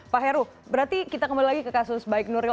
pak heru berarti kita kembali lagi ke kasus baik nuril